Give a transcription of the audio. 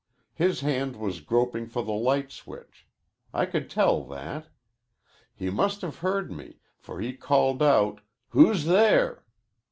His hand was groping for the light switch. I could tell that. He must have heard me, for he called out, 'Who's there?'